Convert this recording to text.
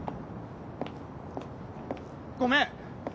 ごめん！